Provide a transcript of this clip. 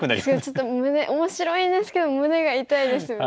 ちょっと面白いんですけど胸が痛いですよね。